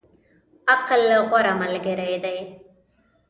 عقل، غوره ملګری دی.